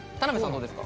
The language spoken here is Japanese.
どうですか？